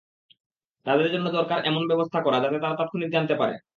তাদের জন্য দরকার এমন ব্যবস্থা করা, যাতে তারা তাৎক্ষণিক জানতে পারে।